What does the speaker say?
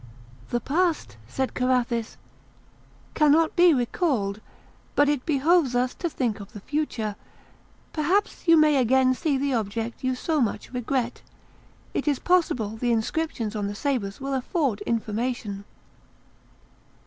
"The past," said Carathis, "cannot be recalled, but it behoves us to think of the future; perhaps you may again see the object you so much regret; it is possible the inscriptions on the sabres will afford information.